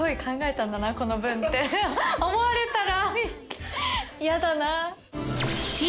思われたら。